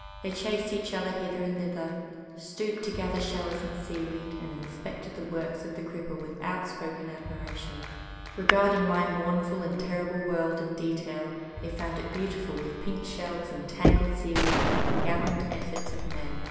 They chased each other hither and thither, stooped to gather shells and seaweed, and inspected the works of the cripple with outspoken admiration. Re garding my mournful and terrible world in detail, they found it beautiful with pink shells and tangled seaweed and the gallant efforts of men.